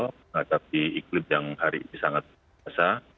menghadapi iklim yang hari ini sangat besar